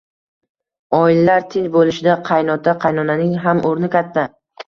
Oilalar tinch bo‘lishida qaynota-qaynonaning ham o‘rni katta.